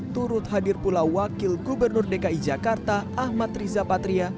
turut hadir pula wakil gubernur dki jakarta ahmad riza patria